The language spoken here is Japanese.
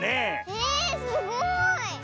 えすごい！